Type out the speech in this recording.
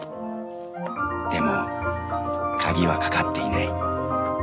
でも鍵はかかっていない。